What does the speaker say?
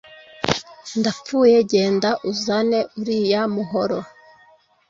ndapfuye. genda uzane, uriya muhoro